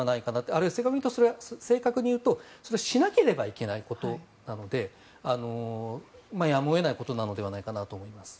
あるいは正確に言うとしなければいけないことなのでやむを得ないことなのではないかなと思います。